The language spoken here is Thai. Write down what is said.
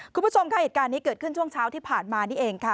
คุณผู้ชมค่ะเหตุการณ์นี้เกิดขึ้นช่วงเช้าที่ผ่านมานี่เองค่ะ